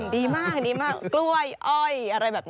ติดตามทางราวของความน่ารักกันหน่อย